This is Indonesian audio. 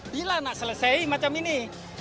bila anak selesai macam ini